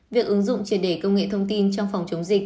việc ứng dụng triệt đề công nghệ thông tin trong phòng chống dịch